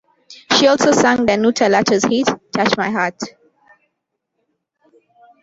She also sang Danuta Lato's hit "Touch My Heart".